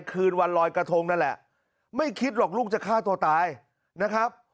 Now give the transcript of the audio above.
คืนวันลอยกระทงนั่นแหละไม่คิดหรอกลูกจะฆ่าตัวตายนะครับ